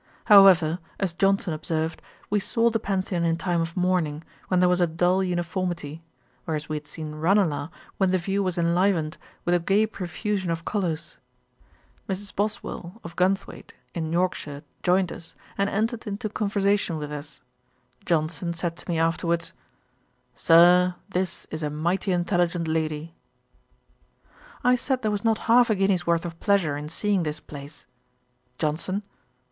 However, as Johnson observed, we saw the Pantheon in time of mourning, when there was a dull uniformity; whereas we had seen Ranelagh when the view was enlivened with a gay profusion of colours. Mrs. Bosville, of Gunthwait, in Yorkshire, joined us, and entered into conversation with us. Johnson said to me afterwards, 'Sir, this is a mighty intelligent lady.' I said there was not half a guinea's worth of pleasure in seeing this place. JOHNSON.